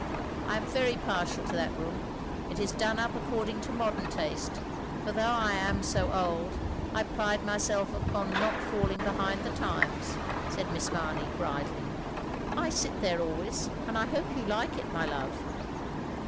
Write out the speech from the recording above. I am very partial to that room. It is done up according to modem taste, for though I am so old, I pride myself upon not falling behind the times," said Miss Mamey bridling, "I sit there always, and I hope you like it, my love."